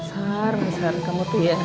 saru saru kamu tuh ya